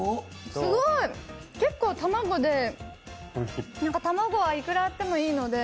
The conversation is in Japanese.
すごい！結構卵で卵はいくらあってもいいので。